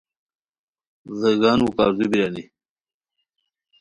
ڑیگانو کاردو بیرانی